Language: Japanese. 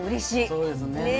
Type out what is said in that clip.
そうですね。